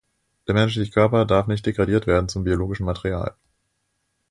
Der menschliche Körper darf nicht degradiert werden zum biologischen Material.